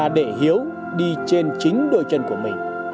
để hiếu đi trên chính đôi chân của mình